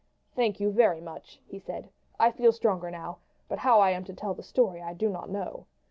"Thank you very much," he said. "I feel stronger now; but how I am to tell the story I do not know.